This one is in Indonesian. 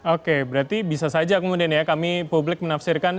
oke berarti bisa saja kemudian ya kami publik menafsirkan